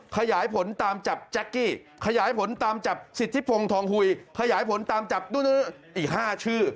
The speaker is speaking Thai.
ขยายผลตามจับแจ๊กกี้ขยายผลตามจับสิทธิพงศ์ทองหุยขยายผลตามจับนู่นอีก๕ชื่อ